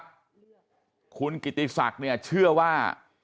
เจอว่าคุณกิติศักดิ์เชื่อว่า